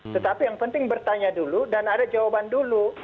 tetapi yang penting bertanya dulu dan ada jawaban dulu